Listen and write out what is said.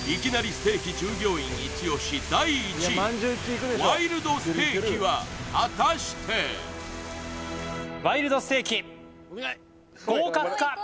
ステーキ従業員イチ押し第１位ワイルドステーキは果たしてワイルドステーキ合格か？